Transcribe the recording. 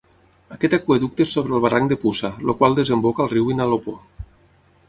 Aquest aqüeducte és sobre el barranc de Puça, el qual desemboca al riu Vinalopó.